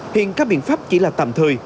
hiện các biện pháp chỉ là tạm thời